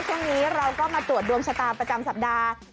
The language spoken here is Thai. ช่วงนี้เราก็มาตรวจดวงชะตาประจำสัปดาห์